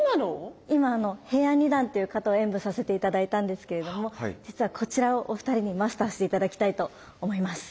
今平安二段という形を演武させて頂いたんですけれども実はこちらをお二人にマスターして頂きたいと思います。